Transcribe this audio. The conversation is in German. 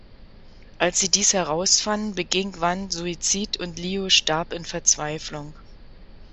Als sie dies herausfanden, beging Wan Suizid und Liu starb in Verzweiflung.